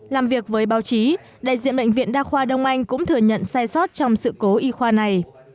làm việc với báo chí đại diện bệnh viện đa khoa đông anh cũng thừa nhận sai sót trong sự cố y khoa này